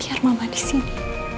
biar mama di sini